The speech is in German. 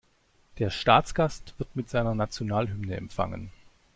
Der Staatsgast wird mit seiner Nationalhymne empfangen.